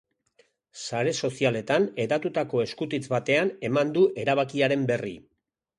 Sare sozialetan hedatutako eskutitz batean eman du erabakiaren berri.